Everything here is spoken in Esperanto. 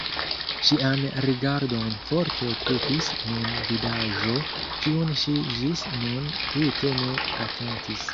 Ŝian rigardon forte okupis nun vidaĵo, kiun ŝi ĝis nun tute ne atentis.